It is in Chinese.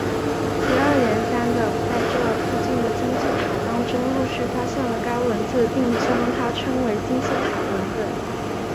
接二连三的在这附近的金字塔当中陆续了也发现了该文字并将它称为金字塔文本。